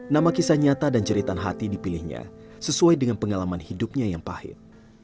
nama kisah nyata dan jeritan hati dipilihnya sesuai dengan pengalaman hidupnya yang pahit